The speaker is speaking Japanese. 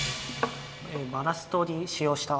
バラストに使用した。